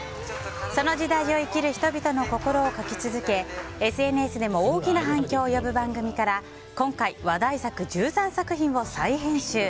その時代を生きる人々の心を描き続けＳＮＳでも大きな反響を呼ぶ番組から今回、話題作１３作品を再編集。